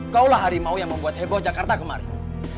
kau lah harimau yang membuat heboh jakarta kemarin